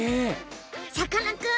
さかなクン